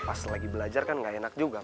pas lagi belajar kan gak enak juga